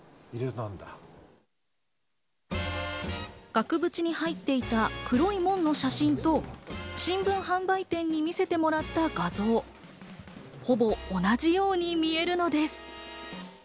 額縁に入っていた黒い門の写真と新聞販売店に見せてもらった画像、ほぼ同じように見えるのです。